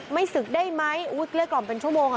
ไม่ศึกได้ไหมอุ๊ยเกลือกร่อมเป็นชั่วโมง